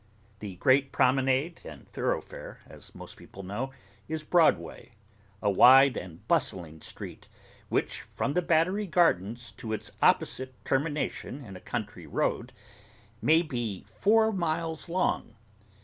The great promenade and thoroughfare, as most people know, is Broadway; a wide and bustling street, which, from the Battery Gardens to its opposite termination in a country road, may be four miles long.